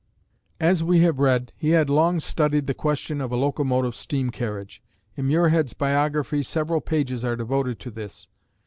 As we have read, he had long studied the question of a locomotive steam carriage. In Muirhead's Biography, several pages are devoted to this.